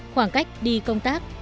khoảng cách đi công tác